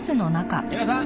皆さん